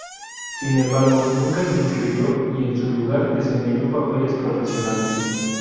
Sin embargo, nunca se inscribió y en su lugar desempeñó papeles profesionales.